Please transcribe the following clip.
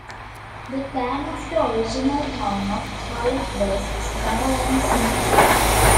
The plan of the Original Town of Carlock was small and simple.